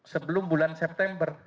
sebelum bulan september